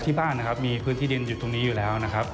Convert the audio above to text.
ที่บ้านนะครับมีพื้นที่ดินอยู่ตรงนี้อยู่แล้วนะครับ